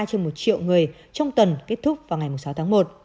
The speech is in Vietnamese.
trên một triệu người trong tuần kết thúc vào ngày sáu tháng một